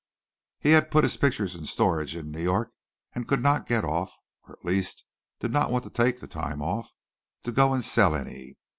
He had put his pictures in storage in New York and could not get off (or at least did not want to take the time off) to go and sell any.